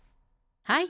はい。